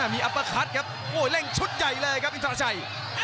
มีอัปเปอร์คัทครับเร่งชุดใหญ่เลยครับอินทราชัย